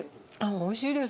おいしいです。